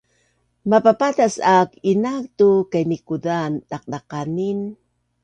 Mapapatas aak inaak tu kainikuzaan daqdaqanin